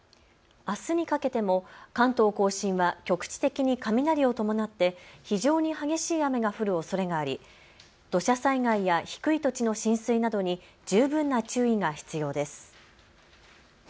あすにかけても関東甲信は局地的に雷を伴って非常に激しい雨が降るおそれがあり土砂災害や低い土地の浸水などに十分な注意が必要です。